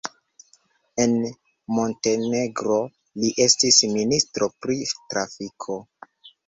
En Montenegro li estis ministro pri trafiko.